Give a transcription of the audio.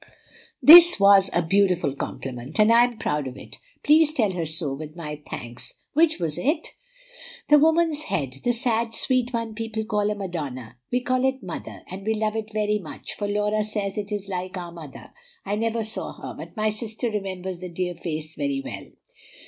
"That was a beautiful compliment, and I am proud of it. Please tell her so, with my thanks. Which was it?" "The woman's head, the sad, sweet one people call a Madonna. We call it Mother, and love it very much, for Laura says it is like our mother. I never saw her, but my sister remembers the dear face very well."